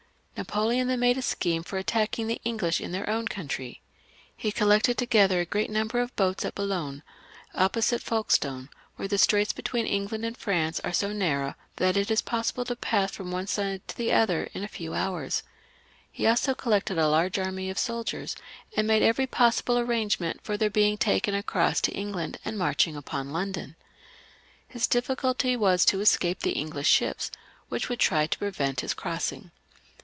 Napoleon then made a scheme for attacking the English in their own country. He collected together a great nimi ber of boats at Boulogne, opposite Folkestone, where the straits between England and France are so narrow that it is possible to pass from one side to the other in a few hours. He also collected a large army of soldiers, and made every possible arrangement for their being taken across to Eng land and marching upon London. His difficulty was to escape the English ships, which would try to prevent his crossing.